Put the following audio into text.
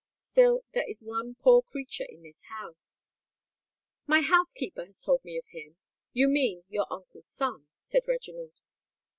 Still, there is one poor creature in this house——" "My housekeeper has told me of him. You mean your uncle's son?" said Reginald.